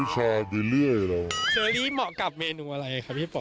เชอรี่เหมาะกับเมนูอะไรค่ะพี่ป๋อ